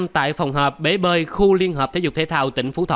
tại phòng họp bể bơi khu liên hợp thể dục thể thao tỉnh phú thọ